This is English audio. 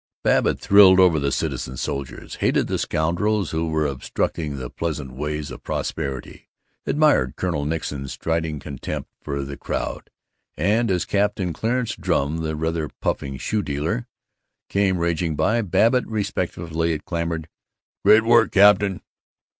Babbitt thrilled over the citizen soldiers, hated the scoundrels who were obstructing the pleasant ways of prosperity, admired Colonel Nixon's striding contempt for the crowd; and as Captain Clarence Drum, that rather puffing shoe dealer, came raging by, Babbitt respectfully clamored, "Great work, Captain!